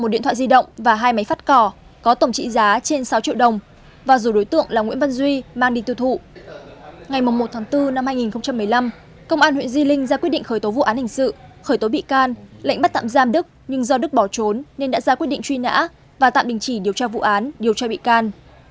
địa bàn huyện di linh ra quyết định khởi tố vụ án hình sự khởi tố bị can lệnh bắt tạm giam đức nhưng do đức bỏ trốn nên đã ra quyết định truy nã và tạm đình chỉ điều tra vụ án điều tra bị can